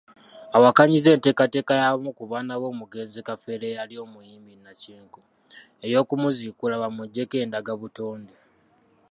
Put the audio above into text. Awakanyizza enteekateeka y'abamu ku baana b'omugenzi Kafeero eyali omuyimbi nnakinku, ey'okumuziikula bamuggyeko endagabutonde.